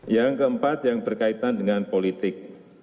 yang keempat yang berkaitan dengan politik